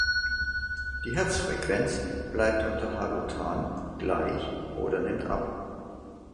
Die Herzfrequenz bleibt unter Halothan gleich oder nimmt ab.